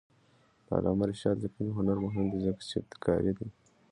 د علامه رشاد لیکنی هنر مهم دی ځکه چې ابتکاري دی.